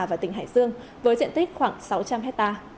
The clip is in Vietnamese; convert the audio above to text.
và tỉnh hải dương với diện tích khoảng sáu trăm linh hectare